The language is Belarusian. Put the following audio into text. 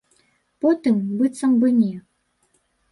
Потым, быццам бы, не.